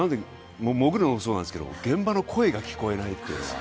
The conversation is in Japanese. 潜るのもそうなんですけど、現場の声が聞こえない。